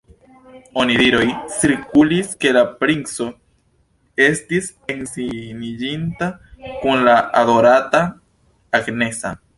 Onidiroj cirkulis ke la princo estis edziniĝinta kun la adorata Agnesa.